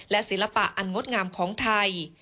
และศิลปะอันงดงามของไทย